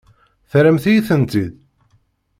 Terramt-iyi-tent-id?